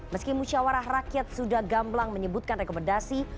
meski musyawarah rakyat sudah gamblang menyebutkan rekomendasi